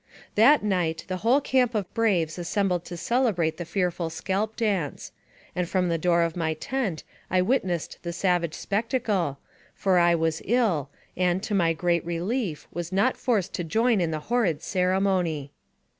That night the whole camp of braves assembled to celebrate the fearful scalp dance; and from the door of my tent I witnessed the savage spectacle, for I was ill, and, to my great relief, was not forced to join in the horrid ceremony.